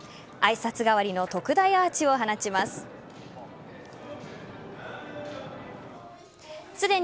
挨拶代わりの特大アーチを放ちます。